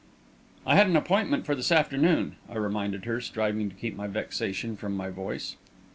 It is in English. "I had an appointment for this afternoon," I reminded her, striving to keep my vexation from my voice.